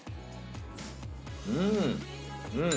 うん！